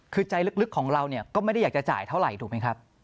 คือใจลึกของเราเนี่ยก็ไม่ได้อยากจะจ่ายเท่าไหร่ถูกไหมครับ